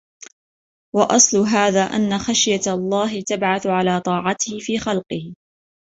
وَأَصْلُ هَذَا أَنَّ خَشْيَةَ اللَّهِ تَبْعَثُ عَلَى طَاعَتِهِ فِي خَلْقِهِ